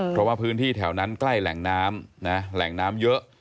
เพราะว่าพื้นที่แถวนั้นใกล้แหล่งน้ำนะแหล่งน้ำเยอะ